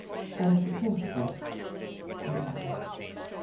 "And the portrait?" I asked.